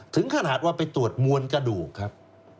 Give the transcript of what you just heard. ถึงขนาดว่าไปตรวจมวลกระดูกครับ